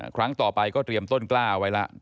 ครั้งต่อไปก็เตรียมต้นกล้าไว้แล้ว